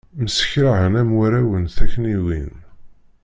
Msekṛahen am warraw n takniwin.